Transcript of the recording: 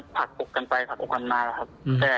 พักกลุกกันไปพักกลุกกันมาครับ